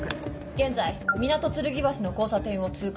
現在港剣橋の交差点を通過。